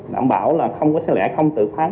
đảm bảo là không có xé lẻ không tự phán